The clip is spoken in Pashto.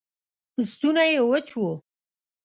ستونی یې وچ و